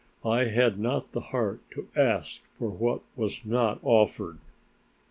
I had not the heart to ask for what was not offered.